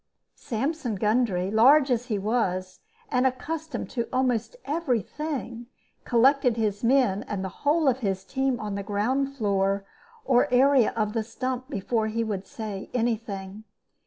Sampson Gundry, large as he was, and accustomed to almost every thing, collected his men and the whole of his team on the ground floor or area of the stump before he would say any thing.